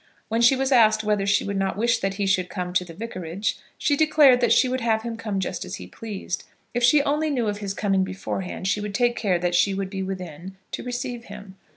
When she was asked whether she would not wish that he should come to the vicarage, she declared that she would have him come just as he pleased. If she only knew of his coming beforehand she would take care that she would be within to receive him.